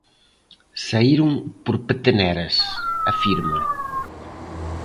"Saíron por peteneras", afirma.